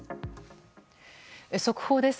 速報です。